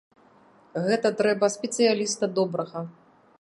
Гэта трэба спецыяліста добрага.